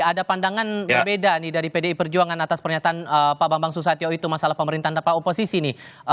ada pandangan berbeda nih dari pdi perjuangan atas pernyataan pak bambang susatyo itu masalah pemerintahan tanpa oposisi nih